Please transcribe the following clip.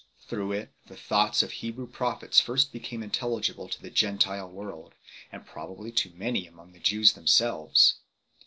Through it the thoughts of Hebrew prophets first became intelligible to the Gentile world 4 , and probably to many among the Jews themselves.